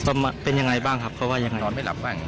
มันเป็นยังไงบ้างครับเพราะว่ายังนอนไม่หลับบ้าง